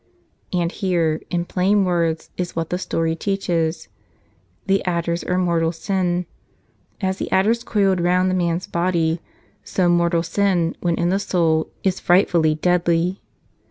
And here, in plain words, is what the story teaches. The adders are mortal sin. As the adders, coiled round the man's body, so mortal sin, when in the soul, is frightfully deadly.